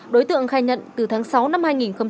đối tượng khai nhận từ tháng sáu năm hai nghìn hai mươi